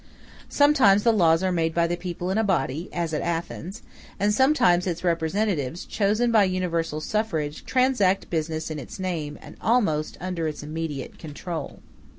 Sometimes the laws are made by the people in a body, as at Athens; and sometimes its representatives, chosen by universal suffrage, transact business in its name, and almost under its immediate control.